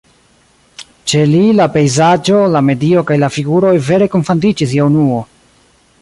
Ĉe li la pejzaĝo, la medio kaj la figuroj vere kunfandiĝis je unuo.